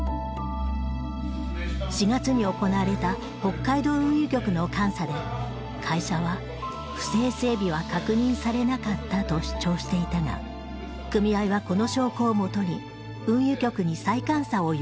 ４月に行われた北海道運輸局の監査で会社は「不正整備は確認されなかった」と主張していたが組合はこの証拠をもとに運輸局に再監査を要請した。